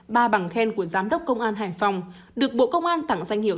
ba bằng khen của giám đốc công an hải phòng được bộ công an tặng danh hiệu